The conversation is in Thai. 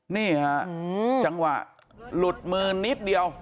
นี่ฮะจังหวะหลุดมือนิดเดียว